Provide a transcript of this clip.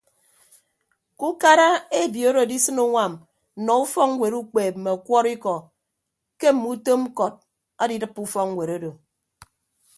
Ke ukara ebiooro adisịn uñwam nnọọ ufọkñwet ukpeep mme ọkwọrọikọ ke mme utom ñkọt adidịppe ufọkñwet odo.